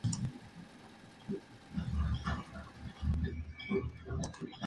Wilder tomó el control del quinto asalto, derribando a Ortiz una vez.